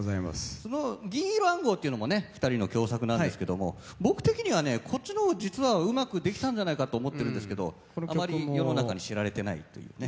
「銀色暗号」っていうのも２人の共作なんですけど僕的にはこっちの方がうまくできたんじゃないかって思ってるんですけどあまり世の中に知られていないというね。